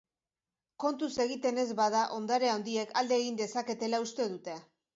Kontuz egiten ez bada ondare handiek alde egin dezaketela uste dute.